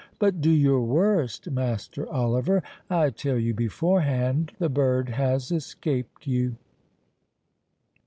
—"But do your worst, Master Oliver; I tell you beforehand, the bird has escaped you."